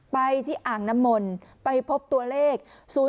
ไปที่อ่างน้ำมนต์ไปพบตัวเลข๐๔